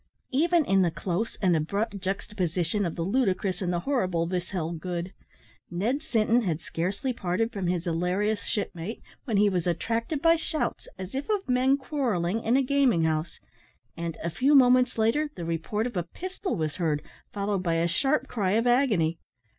Even in the close and abrupt juxtaposition of the ludicrous and the horrible this held good. Ned Sinton had scarcely parted from his hilarious shipmate, when he was attracted by shouts, as if of men quarrelling, in a gaming house; and, a few moments later, the report of a pistol was heard, followed by a sharp cry of agony.